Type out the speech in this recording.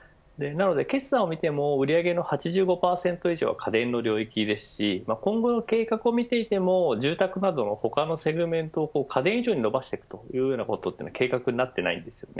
決算を見ても、売り上げの８５％以上は家電の領域ですし今後の計画を見ていても住宅など他のセグメントを家電以上に伸ばしていくことは計画になっていないです。